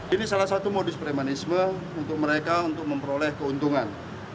ini salah satu modus premanisme untuk mereka untuk memperoleh keuntungan